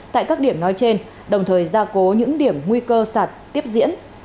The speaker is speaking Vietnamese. tại các điểm nói trên đồng thời gia cố những điểm nguy cơ sạt tiếp diễn